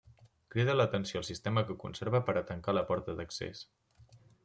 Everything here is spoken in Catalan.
Crida l'atenció el sistema que conserva per a tancar la porta d'accés.